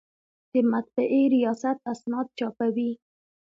د مطبعې ریاست اسناد چاپوي